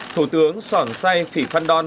thủ tướng sởn say sĩ văn đoan